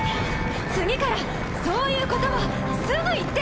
次からそういうことはすぐ言って！